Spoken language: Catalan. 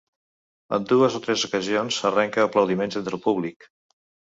En dues o tres ocasions, arrenca aplaudiments entre el públic.